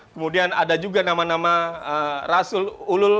kemudian ada juga nama nama rasul ulul